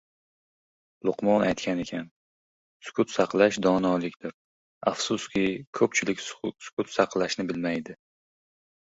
Luqmon aytgan ekan: “Sukut saqlash — donolikdir, afsuski, ko‘pchilik sukut saqlashni bilmaydi.